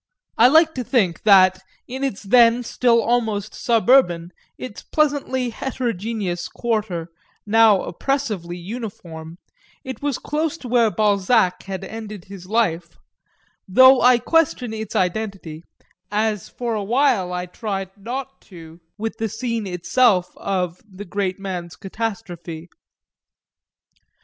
I like to think that, in its then still almost suburban, its pleasantly heterogeneous quarter, now oppressively uniform, it was close to where Balzac had ended his life, though I question its identity as for a while I tried not to with the scene itself of the great man's catastrophe.